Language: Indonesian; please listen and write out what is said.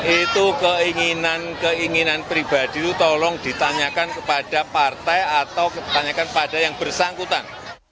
itu keinginan keinginan pribadi itu tolong ditanyakan kepada partai atau ditanyakan pada yang bersangkutan